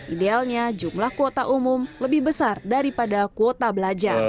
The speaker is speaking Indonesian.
idealnya jumlah kuota umum lebih besar daripada kuota belajar